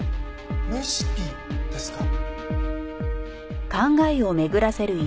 レシピですか？